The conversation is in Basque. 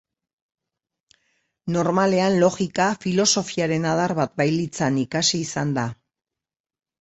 Normalean logika, filosofiaren adar bat bailitzan ikasi izan da.